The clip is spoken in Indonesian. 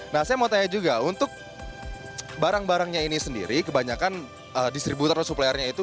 nah saya mau tanya juga untuk barang barangnya ini sendiri kebanyakan distributor atau suppliernya itu